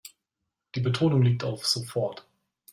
Die Betonung liegt auf sofort.